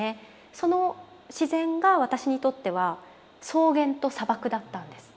その自然が私にとっては草原と砂漠だったんです。